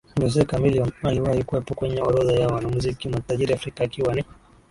Jose Chameleone aliwahi kuwepo kwenye orodha ya Wanamuziki matajiri Afrika akiwa ni